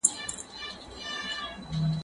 که وخت وي، زدکړه کوم!.